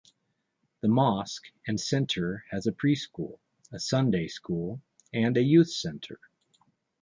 The mosque and center has a preschool, a Sunday school and a youth center.